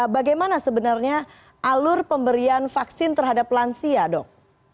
bagaimana sebenarnya alur pemberian vaksin terhadap lansia dok